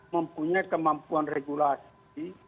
mempunyai kemampuan regulasi